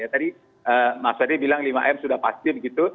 tadi mas ferry bilang lima m sudah pasti begitu